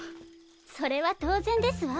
それは当然ですわ。